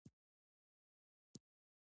د هیګز بوزون جرم ورکوي.